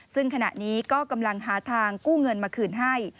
ซึ่งขณะนี้ก็กำลังหาทางกู้เงินมาคืนให้